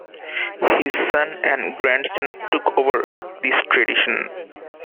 His son and grandson took over this tradition.